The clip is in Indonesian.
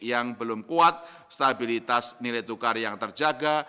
yang belum kuat stabilitas nilai tukar yang terjaga